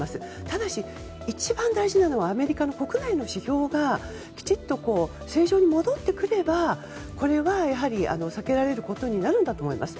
ただ、一番大事なのはアメリカの国内の指標がきちっと正常に戻ってくればこれは避けられることになるんだろうと思います。